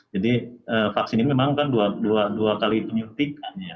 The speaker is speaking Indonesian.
jadi vaksin ini memang kan dua kali penyuntikannya